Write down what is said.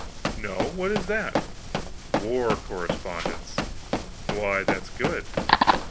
"No? What is that?" "War correspondence!" "Why, that's good."